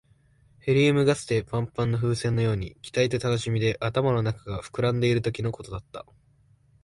ヘリウムガスでパンパンの風船のように、期待と楽しみで頭の中が膨らんでいるときのことだった。